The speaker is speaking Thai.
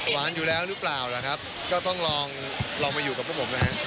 หวานอยู่แล้วหรือเปล่าล่ะครับก็ต้องลองลองมาอยู่กับพวกผมนะฮะ